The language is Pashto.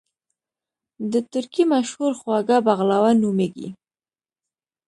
د ترکی مشهور خواږه بغلاوه نوميږي